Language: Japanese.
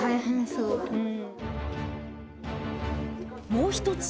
もう一つ